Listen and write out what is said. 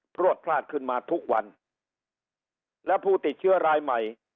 พลวดพลาดขึ้นมาทุกวันแล้วผู้ติดเชื้อรายใหม่